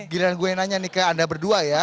gila gue nanya nih ke anda berdua ya